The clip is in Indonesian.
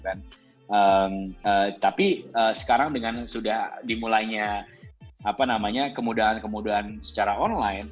tapi sekarang dengan sudah dimulainya kemudahan kemudahan secara online